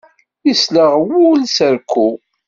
Yesleɣ wul s rekku.